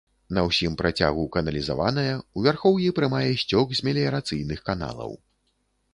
На ўсім працягу каналізаваная, у вярхоўі прымае сцёк з меліярацыйных каналаў.